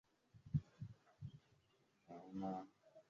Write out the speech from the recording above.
ya Machozi katika Kituo cha O wakati huo nikiwa shule ya msingi anasema Shaa